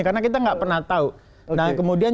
karena kita nggak pernah tahu nah kemudian